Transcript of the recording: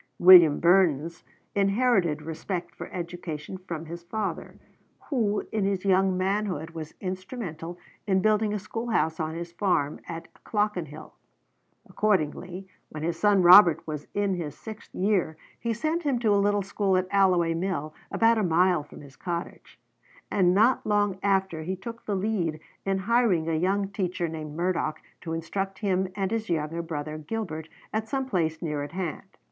William Burness inherited respect for education from his father, who in his young manhood was instrumental in building a schoolhouse on his farm at Clockenhill. Accordingly, when his son Robert was in his sixth year he sent him to a little school at Alloway Mill, about a mile from his cottage; and not long after he took the lead in hiring a young teacher named Murdoch to instruct him and his younger brother Gilbert at some place near at hand.